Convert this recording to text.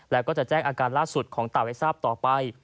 แล้วก็จะแจ้งอาการล่าสุดของเต่าให้ทราบต่อไป